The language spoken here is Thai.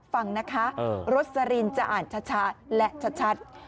ฟังนะคะรสลินจะอ่านช้าและชัด